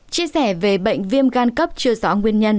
chia sẻ về bệnh viêm gan cấp chưa rõ nguyên nhân